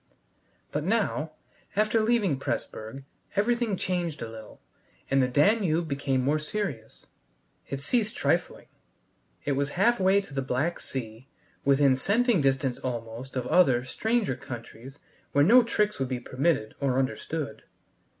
But now, after leaving Pressburg, everything changed a little, and the Danube became more serious. It ceased trifling. It was halfway to the Black Sea, within scenting distance almost of other, stranger countries where no tricks would be permitted or understood.